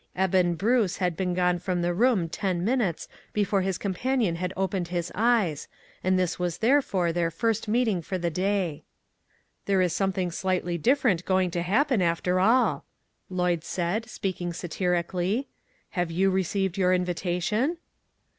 Eben Bruce had been gone from the room ten minutes before his companion had opened his eyes and this was therefore their first meeting for the day. FROM MIDNIGHT TO SUNRISE. 13 "There is something slightly different going to happen after all," Lloyd said, speaking satiri cally. " Have you received your invitation?